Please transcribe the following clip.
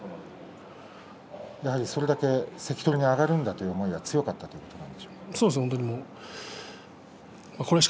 やはりそれだけ関取に上がるんだという思いが強かったということでしょうか？